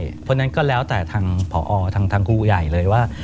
เพราะฉะนั้นก็แล้วแต่ทางผอทางครูใหญ่เลยว่า